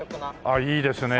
ああいいですねえ。